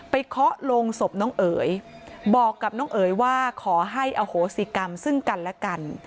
เคาะลงศพน้องเอ๋ยบอกกับน้องเอ๋ยว่าขอให้อโหสิกรรมซึ่งกันและกัน